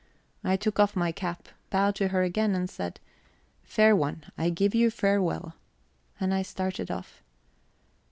I took off my cap, bowed to her again, and said: "Fair one, I give you farewell." And I started off.